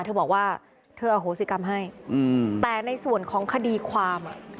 เธอบอกว่าเธออโหสิกรรมให้แต่ในส่วนของคดีความ